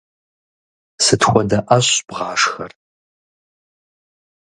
Сыт хуэдэ ӏэщ бгъашхэр?